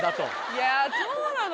いやそうなの？